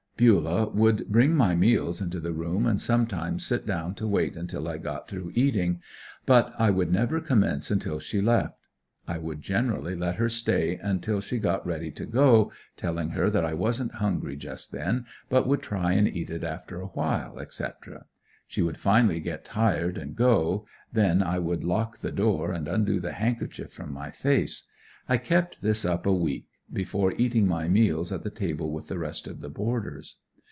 Bulah would bring my meals into the room and sometimes sit down to wait until I got through eating, but I would never commence until she left. I would generally let her stay until she got ready to go, telling her that I wasn't hungry just then, but would try and eat it after awhile, etc. She would finally get tired and go, then I would lock the door and undo the handkerchief from my face. I kept this up a week, before eating my meals at the table with the rest of the boarders.